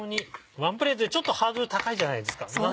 ワンプレートでちょっとハードル高いじゃないですか。